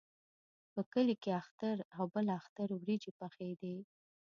په کلي کې اختر او بل اختر وریجې پخېدې.